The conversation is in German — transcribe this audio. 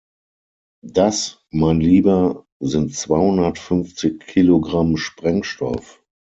Das, mein Lieber, sind zweihundertfünfzig Kilogramm Sprengstoff.